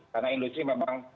karena industri memang